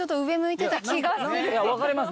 分かります